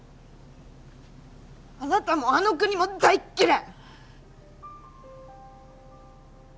あなたもあの国も大嫌い！